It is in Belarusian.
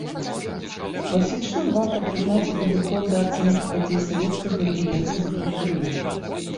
Класічным варта прызнаць і падыход да ацэнкі падзей савецкага і ельцынскага перыяду.